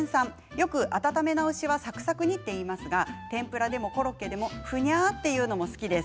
よく温め直しはサクサクといいますが天ぷらでもコロッケでもふにゃっというのも好きです。